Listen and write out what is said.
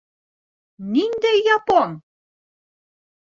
Ниндәй япон?